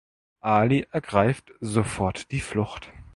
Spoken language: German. Ali ergreift sofort die Flucht.